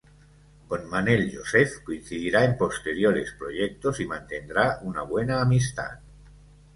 Con Manel Joseph coincidirá en posteriores proyectos y mantendrá una buena amistad.